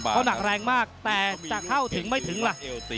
เขาหนักแรงมากแต่จะเข้าถึงไม่ถึงล่ะ